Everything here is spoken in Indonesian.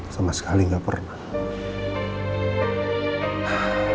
sama sekali gak pernah